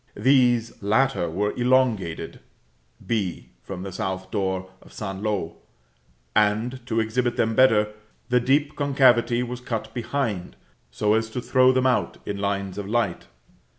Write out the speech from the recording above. These latter were elongated (b, from the south door of St. Lo); and to exhibit them better, the deep concavity was cut behind, so as to throw them out in lines of light.